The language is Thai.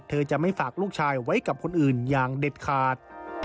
เธอจะไม่ฝากลูกชายไว้กับคนอื่นอย่างเด็ดขาด